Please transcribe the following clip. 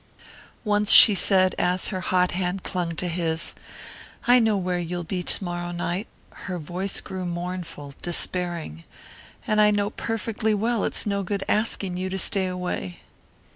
Once she said as her hot hand clung to his, "I know where you'll be to morrow night." Her voice grew mournful, despairing. "And I know perfectly well it's no good asking you to stay away."